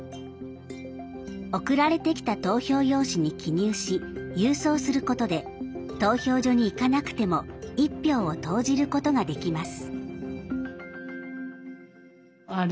送られてきた投票用紙に記入し郵送することで投票所に行かなくても一票を投じることができます。